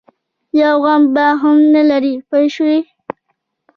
یو غم به هم نه لري پوه شوې!.